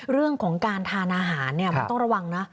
เรื่องของการทานอาหารมันต้องระวังนะ